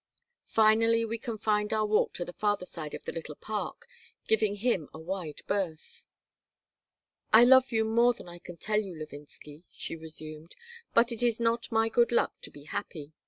Finally we confined our walk to the farther side of the little park, giving him a wide berth "I love you more than I can tell you, Levinsky," she resumed. "But it is not my good luck to be happy.